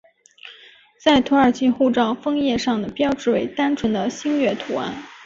在土耳其护照封页上的标志为单纯的星月图案。